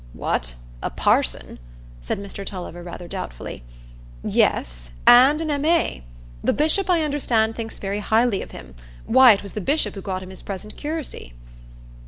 "What! a parson?" said Mr Tulliver, rather doubtfully. "Yes, and an M.A. The bishop, I understand, thinks very highly of him: why, it was the bishop who got him his present curacy."